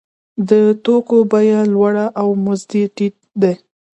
د توکو بیه لوړه او مزد یې ټیټ دی